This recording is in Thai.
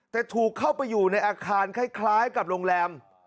แต่ถูกเข้าไปอยู่ในอาคารคล้ายกับโรงแรม